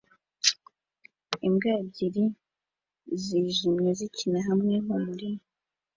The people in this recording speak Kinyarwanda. Imbwa ebyiri zijimye zikina hamwe mumurima